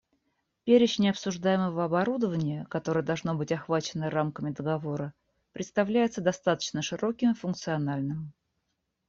Перечень обсуждаемого оборудования, которое должно быть охвачено рамками договора, представляется достаточно широким и функциональным.